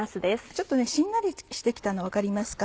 ちょっとしんなりして来たの分かりますか？